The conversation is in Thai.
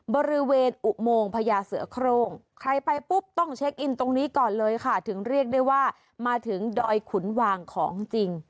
บริเวณอุโมงพญาเสือโครงใครไปปุ๊บต้องเช็คอินตรงนี้ก่อนเลยค่ะถึงเรียกได้ว่ามาถึงดอยขุนวางของจริง